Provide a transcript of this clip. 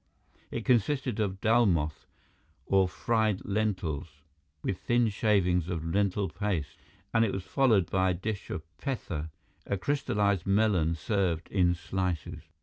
It consisted of dalmoth, or fried lentils with thin shavings of lentil paste; and it was followed by a dish of petha, a crystallized melon served in slices.